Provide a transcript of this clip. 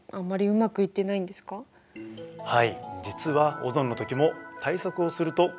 はい。